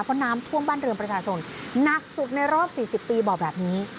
เพราะน้ำท่วมบ้านเรือนประชาชนหนักสุดในรอบ๔๐ปีบอกแบบนี้